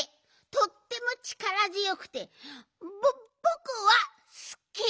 とってもちからづよくてぼぼくはすき！